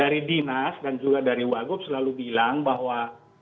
dari dinas dan juga dari wagub selalu bilang bahwa